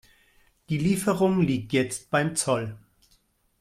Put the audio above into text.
Die Lieferung liegt jetzt beim Zoll.